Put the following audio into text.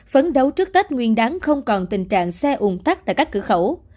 phấn đấu trước tết nguyên đáng không còn tình trạng xe ùng tắt tại các cửa khẩu